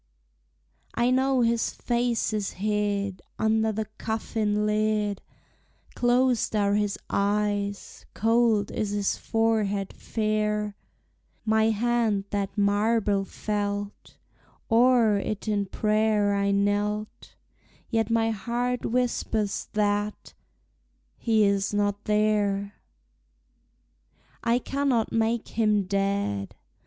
I know his face is hid Under the coffin lid; Closed are his eyes; cold is his forehead fair; My hand that marble felt; O'er it in prayer I knelt; Yet my heart whispers that he is not there! I cannot make him dead!